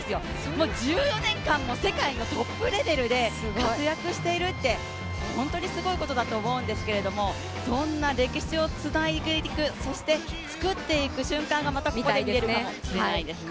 もう１４年間も世界のトップレベルで活躍しているって本当にすごいことだと思うんですけど、そんな歴史をつないでいくそして作っていく瞬間がまた見たいですね。